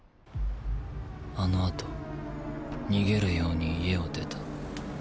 あの後逃げるように家を出た。